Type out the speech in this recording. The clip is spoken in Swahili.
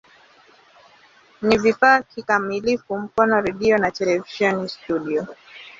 Ni vifaa kikamilifu Mkono redio na televisheni studio.